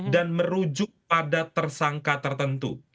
dan merujuk pada tersangka tertentu